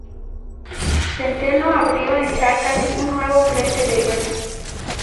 Centeno abrió en Charcas un nuevo frente de guerra.